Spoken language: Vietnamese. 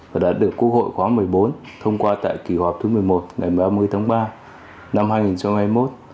và đã được quốc hội khóa một mươi bốn thông qua tại kỳ họp thứ một mươi một ngày ba mươi tháng ba năm hai nghìn hai mươi một